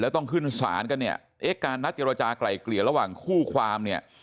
ต้องขึ้นศาลกันเนี่ยเอ๊ะการนัดเจรจากลายเกลี่ยระหว่างคู่ความเนี่ย